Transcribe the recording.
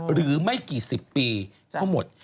หรือไม่กี่สิบปีก็หมด